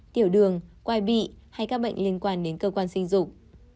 tiểu đường quay bị hay các bệnh liên quan đến cơ quan sinh dục